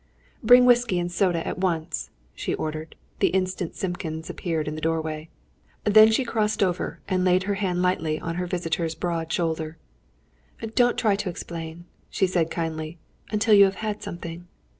"Bring whisky and soda at once," she ordered, the instant Simpkins appeared in the doorway. Then she crossed over, and laid her hand lightly on her visitor's broad shoulder. "Don't try to explain," she said kindly, "until you have had something.